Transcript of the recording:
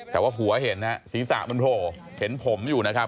แต่ว่าหัวเห็นนะฮะศีรษะมันโผล่เห็นผมอยู่นะครับ